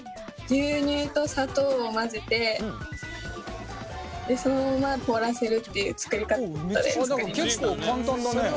牛乳と砂糖を混ぜてそのまま凍らせるっていう作りかたで作りました。